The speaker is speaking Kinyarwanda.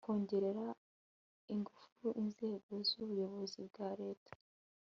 kongerera ingufu inzego z'ubuyobozi bwa leta